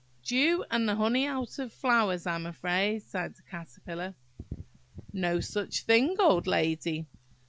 "Dew, and the honey out of flowers, I am afraid," sighed the Caterpillar. "No such thing, old lady!